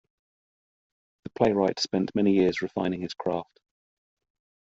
The playwright spent many years refining his craft.